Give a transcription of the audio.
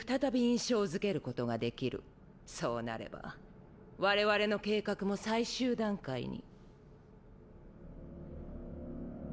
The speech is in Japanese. そうなれば我々の計画も最終段階に。